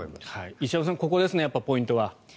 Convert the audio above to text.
石山さん、ここですねポイントは。